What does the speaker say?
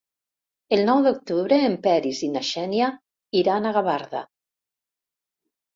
El nou d'octubre en Peris i na Xènia iran a Gavarda.